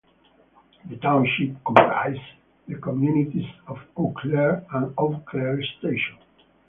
The township comprises the communities of Eau Claire and Eau Claire Station.